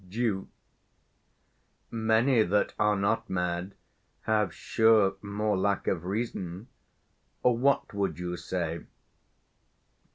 Duke. Many that are not mad Have, sure, more lack of reason. What would you say?